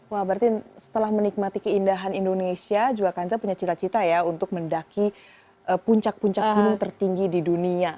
wah berarti setelah menikmati keindahan indonesia juga kanza punya cita cita ya untuk mendaki puncak puncak gunung tertinggi di dunia